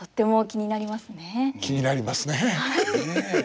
気になりますね。